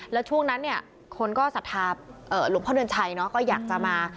แล้วช่วงนั้นคนก็สะทาบหลวงพ่อเดือนชัยก็อยากจะมา